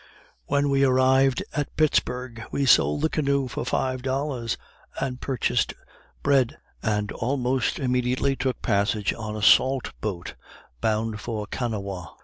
When we arrived at Pittsburg, we sold the canoe for five dollars, and purchased bread, and almost immediately took passage on a salt boat bound for Kanawha.